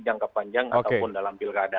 jangka panjang ataupun dalam pilkada